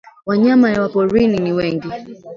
Wanyama wa porini ni wengi.